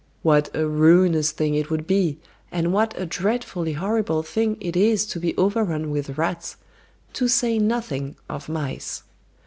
What a ruinous thing it would be, and what a dreadfully horrible thing it is to be overrun with rats, to say nothing of mice.